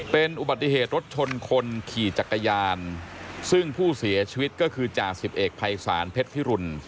เป็นอุบัติเหตุรถชนคนขี่จักรยานซึ่งผู้เสียชีวิตก็คือจ่าสิบเอกภัยศาลเพชรพิรุณ